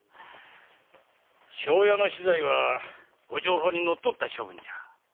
庄屋の死罪は御定法にのっとった処分じゃ。